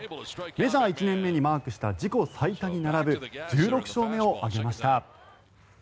メジャー１年目にマークした自己最多に並ぶ１６勝目を挙げました。